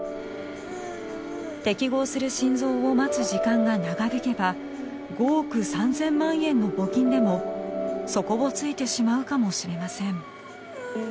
適合する心臓を待つ時間が長引けば５億３０００万円の募金でも底をついてしまうかもしれません。